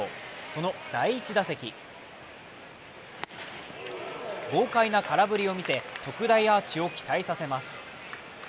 その第１打席、豪快な空振りをみせ特大アーチを期待させます。